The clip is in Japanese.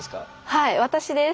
はい私です。